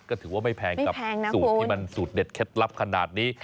ก็ถือว่าไม่แพงกับสูตรที่มันสูตรเด็ดเคล็ดลับขนาดนี้